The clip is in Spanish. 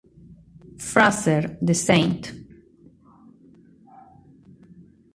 Fraser", de St.